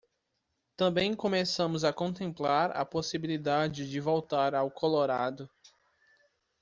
Também começamos a contemplar a possibilidade de voltar ao Colorado.